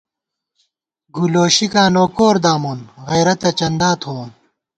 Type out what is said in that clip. گُولوشِکاں نوکور دامون ، غیرَتہ چندا تھووون